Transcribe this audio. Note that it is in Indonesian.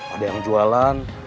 ada yang jualan